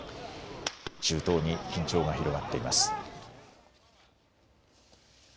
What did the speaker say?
中東に緊張が広がっています。